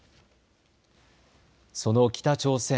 その北朝鮮。